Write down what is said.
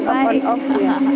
oke suaranya on on on